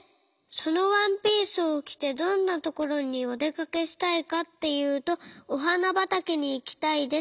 そのワンピースをきてどんなところにおでかけしたいかっていうとおはなばたけにいきたいです。